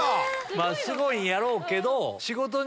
まぁすごいんやろうけど。